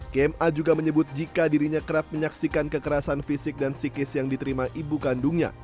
gma juga menyebut jika dirinya kerap menyaksikan kekerasan fisik dan psikis yang diterima ibu kandungnya